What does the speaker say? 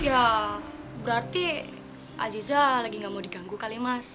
ya berarti aziza lagi gak mau diganggu kali mas